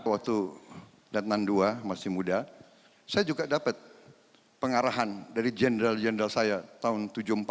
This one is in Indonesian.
waktu datnan ii masih muda saya juga dapat pengarahan dari jenderal jenderal saya tahun seribu sembilan ratus tujuh puluh empat